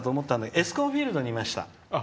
エスコンフィールドにいました。